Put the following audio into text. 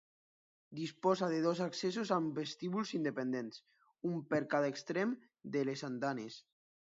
Disposa de dos accessos amb vestíbuls independents, un per cada extrem de les andanes.